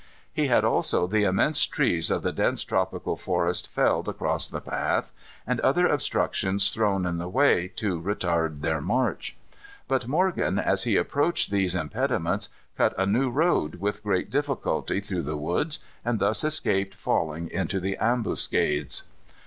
He had also the immense trees of the dense tropical forest felled across the path, and other obstructions thrown in the way, to retard their march. But Morgan, as he approached these impediments, cut a new road with great difficulty through the woods, and thus escaped falling into the ambuscades.